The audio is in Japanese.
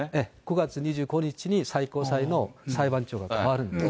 ５月２５日に最高裁の裁判長が変わるんですね。